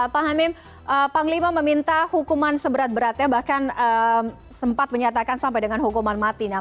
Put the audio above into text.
pak hamim panglima meminta hukuman seberat beratnya bahkan sempat menyatakan sampai dengan hukuman mati